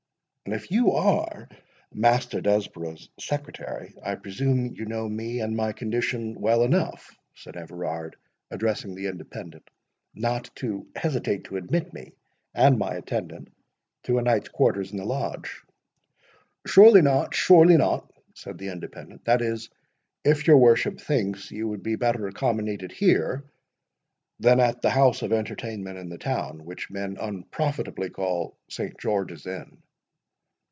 "And if you are Master Desborough's secretary, I presume you know me and my condition well enough," said Everard, addressing the Independent, "not to hesitate to admit me and my attendant to a night's quarters in the Lodge?" "Surely not, surely not," said the Independent—"that is, if your worship thinks you would be better accommodated here than up at the house of entertainment in the town, which men unprofitably call Saint George's Inn.